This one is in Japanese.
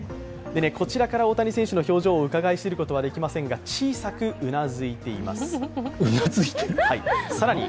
こちらから大谷選手の表情をうかがい知ることはできませんが小さくうなずいています。